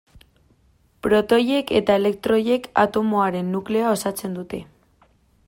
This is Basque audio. Protoiek eta elektroiek atomoaren nukleoa osatzen dute.